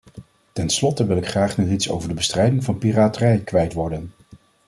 Ten slotte wil ik graag nog iets over de bestrijding van piraterij kwijt worden.